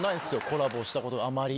コラボしたことがあまり。